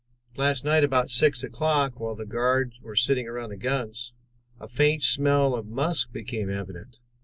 Last night, about six o'clock, while the guard were sitting around their guns, a faint smell of musk became evident.